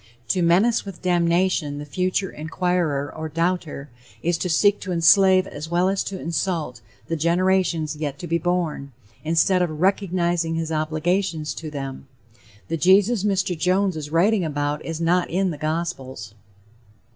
To menace with damnation the future inquirer or doubter is to seek to enslave as well as to insult the generations yet to be born, instead of "recognizing his obligations" to them. The Jesus Mr. Jones is writing about is not in the gospels.